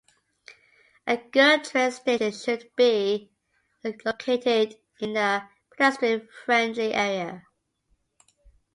A good train station should be located in a pedestrian-friendly area.